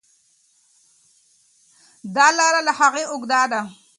دا لار له هغې اوږده ده.